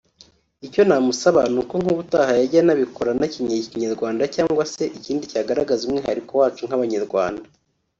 Icyo namusaba ni uko nk’ubutaha yajya anabikora anakenyeye Kinyarwanda cyangwa se ikindi cyagaragaza umwihariko wacu nk’Abanyarwanda